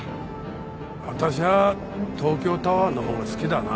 私は東京タワーの方が好きだな。